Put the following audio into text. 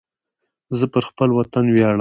زه پر خپل وطن ویاړم